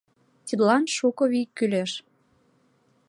Тидлан шуко вий кӱлеш.